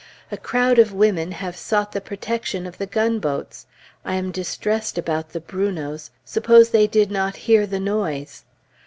A crowd of women have sought the protection of the gunboats. I am distressed about the Brunots; suppose they did not hear the noise?